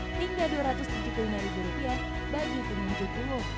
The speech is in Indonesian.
hingga rp dua ratus tujuh puluh lima bagi penunjuk umum